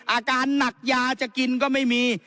อาการหนักยาจะกินก็ไม่มี